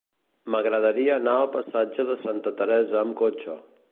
M'agradaria anar al passatge de Santa Teresa amb cotxe.